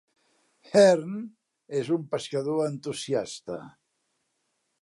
Hearn és un pescador entusiasta.